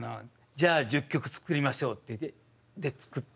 「じゃあ１０曲作りましょう」って作って。